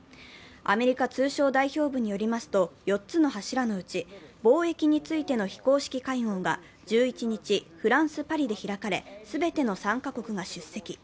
アメリカ通商代表部によりますと、４つの柱のうち貿易についての非公式会合が１１日、フランス・パリで開かれ、全ての参加国が出席。